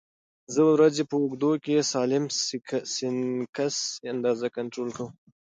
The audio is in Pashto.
زه د ورځې په اوږدو کې د سالم سنکس اندازه کنټرول کوم.